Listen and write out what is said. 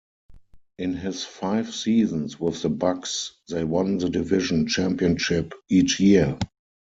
In his five seasons with the Bucks, they won the division championship each year.